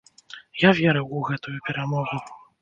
Я верыў у гэтую перамогу.